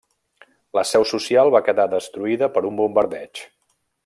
La seu social va quedar destruïda per un bombardeig.